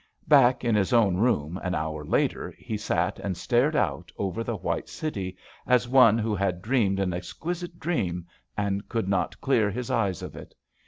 Back in his own room, an hour later, he sat and stared out over the white city, as one who had dreamed an exquisite dream and could not clear his eyes of it.